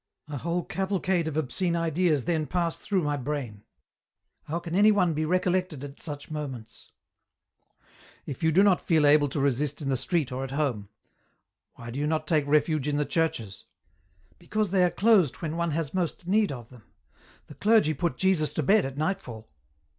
A whole cavalcade of obscene ideas then pass through my brain ; how can any one be recollected at such moments ?"" If you do not feel able to resist in the street or at home, why do you not take refuge in the churches ?"" But they are closed when one has most need of them ; the clergy put Jesus to bed at nightfall."